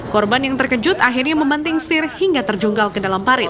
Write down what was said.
korban yang terkejut akhirnya membanting setir hingga terjungkal ke dalam parit